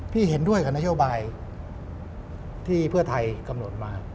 เห็นด้วยกับนโยบายที่เพื่อไทยกำหนดมา